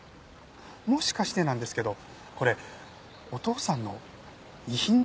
もしかしてなんですけどこれお父さんの遺品ではありませんか？